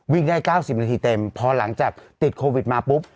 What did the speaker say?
วิ่งได้๙๐นาทีเต็มพอหลังจากติดโควิดมาปุ๊บ